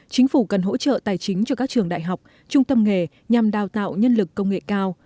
chính phủ cần hỗ trợ tài chính cho các trường đại học trung tâm nghề nhằm đào tạo nhân lực công nghệ cao